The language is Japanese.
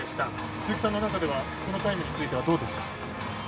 鈴木さんの中ではこのタイムについてどうですか？